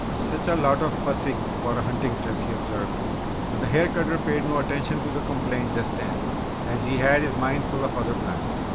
"Such a lot of fussing for a hunting trip!" he observed, but the hair cutter paid no attention to the complaint just then as he had his mind full of other plans.